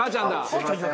すみません